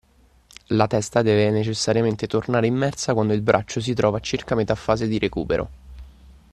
La testa deve necessariamente tornare immersa quando il braccio si trova a circa metà fase di recupero.